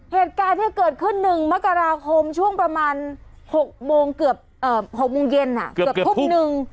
เหตุการณ์ที่เกิดขึ้นหนึ่งมกราคมช่วงประมาณ๖โมงเย็นอะเกือบพุ่มหนึ่ง